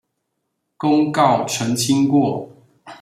公告澄清過